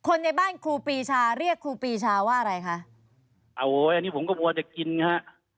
ในบ้านครูปีชาเรียกครูปีชาว่าอะไรคะโอ้ยอันนี้ผมก็กลัวจะกินฮะ